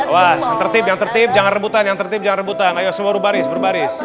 was tertib yang tertib jangan rebutan yang tertib jangan rebutan ayo seluruh baris berbaris